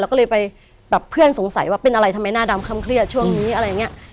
ก็เลยไปแบบเพื่อนสงสัยว่าเป็นอะไรทำไมหน้าดำค่ำเครียดช่วงนี้อะไรอย่างนี้